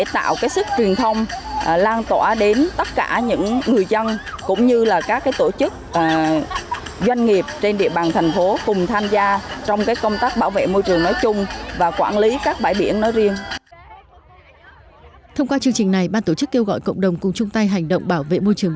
thông qua chương trình này ban tổ chức kêu gọi cộng đồng cùng chung tay hành động bảo vệ môi trường